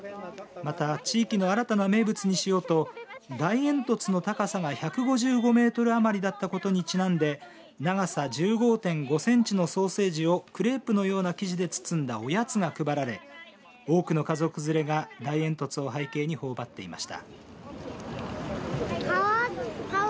また地域の新たな名物にしようと大煙突の高さが１５５メートル余りだったことにちなんで長さ１５．５センチのソーセージをクレープのような生地で包んだおやつが配られ多くの家族連れが大煙突を背景にほおばっていました。